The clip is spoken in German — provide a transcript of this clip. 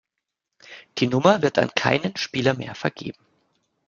Die Nummer wird an keinen Spieler mehr vergeben.